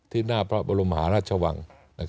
หน้าพระบรมหาราชวัง